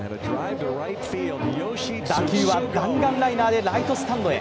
打球は弾丸ライナーでライトスタンドへ。